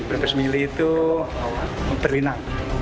berpesmili itu berlinang